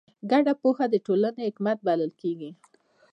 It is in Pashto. ګډه پوهه د ټولنې حکمت بلل کېږي.